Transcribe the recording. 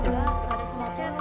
permisi tuan wali